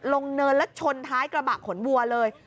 เนินแล้วชนท้ายกระบะขนวัวเลย